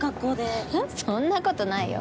そんなことないよ。